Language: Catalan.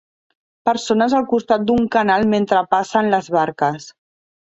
Persones al costat d'un canal mentre passen les barques